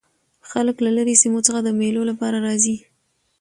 خلک له ليري سیمو څخه د مېلو له پاره راځي.